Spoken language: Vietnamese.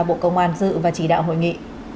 bộ công an dự và chỉ đạo hội nghị